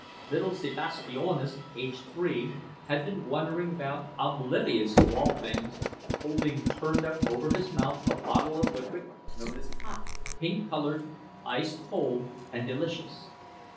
Little Sebastijonas, aged three, had been wandering about oblivious to all things, holding turned up over his mouth a bottle of liquid known as "pop," pink colored, ice cold, and delicious.